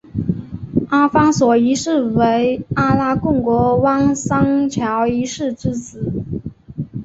阿方索一世为阿拉贡国王桑乔一世之子。